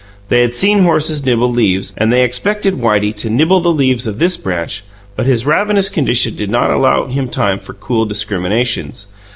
They had seen horses nibble leaves, and they expected Whitey to nibble the leaves of this branch; but his ravenous condition did not allow him time for cool discriminations.